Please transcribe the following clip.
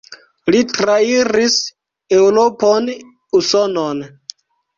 Li trairis Eŭropon, Usonon.